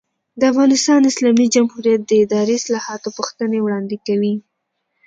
د افغانستان اسلامي جمهوریت د اداري اصلاحاتو پوښتنې وړاندې کوي.